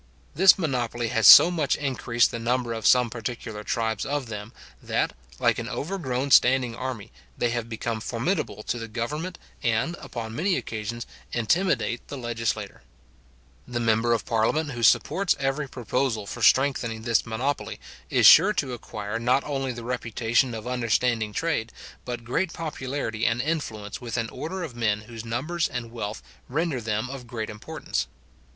This monopoly has so much increased the number of some particular tribes of them, that, like an overgrown standing army, they have become formidable to the government, and, upon many occasions, intimidate the legislature. The member of parliament who supports every proposal for strengthening this monopoly, is sure to acquire not only the reputation of understanding trade, but great popularity and influence with an order of men whose numbers and wealth render them of great importance.